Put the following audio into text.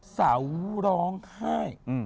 เสาร้องไห้